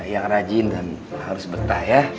yang rajin dan harus betah ya